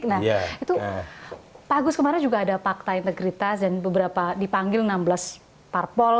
nah itu pak agus kemarin juga ada fakta integritas dan beberapa dipanggil enam belas parpol